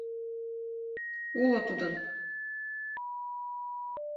Уло тудын